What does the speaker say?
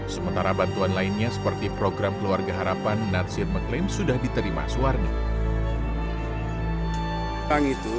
sementara bantuan lainnya seperti program keluarga harapan nadsir mengklaim sudah diterima suwarni